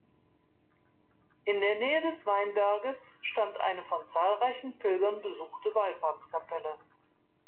In der Nähe des Weinberges stand eine von zahlreichen Pilgern besuchte Wallfahrtskapelle.